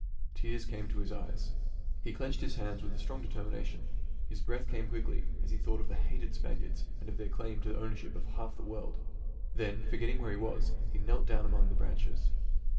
Tears came to his eyes. He clenched his hands with strong determination. His breath came quickly as he thought of the hated Spaniards and of their claim to the ownership of half the world. Then, forgetting where he was, he knelt down among the branches.